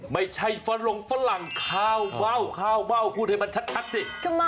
ไม่ใช่ฝรั่งฝรั่งขาวเม่าขาวเม่าพูดให้มันชัดสิ